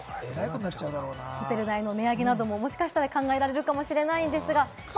ホテル代の値上げなども、もしかしたら考えられるかもしれません。